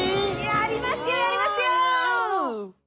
やりますよやりますよ！